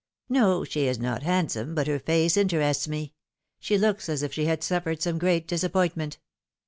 " No, she is not handsome, but her face interests me. She looks as if she had suffered some great disappointment."